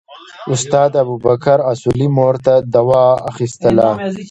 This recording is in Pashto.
استاد ابوبکر اصولي مور ته دوا اخیستله.